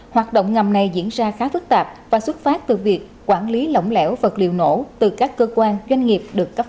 hoạt động ngầm này diễn ra khá phức tạp và xuất phát từ việc quản lý lỏng lẻo vật liệu nổ từ các cơ quan doanh nghiệp được cấp phép